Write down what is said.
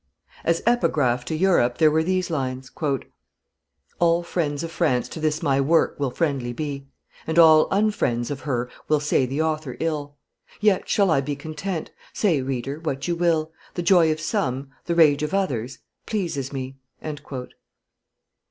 As epigraph to Europe there were these lines: "All friends of France to this my work will friendly be; And all unfriends of her will say the author ill; Yet shall I be content, say, reader, what you will; The joy of some, the rage of others, pleases me."